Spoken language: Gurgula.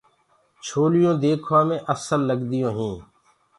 لهرينٚ ديکوآ مي اسل لگديونٚ هينٚ۔